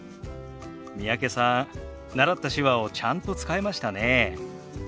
三宅さん習った手話をちゃんと使えましたね。